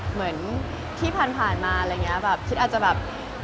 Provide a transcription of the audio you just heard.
เหมือนที่ผ่านมาอะไรแบบ